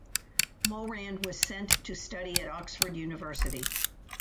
Morand was sent to study at Oxford University.